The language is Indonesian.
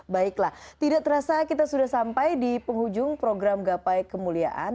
baiklah tidak terasa kita sudah sampai di penghujung program gapai kemuliaan